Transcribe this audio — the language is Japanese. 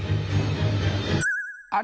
あれ？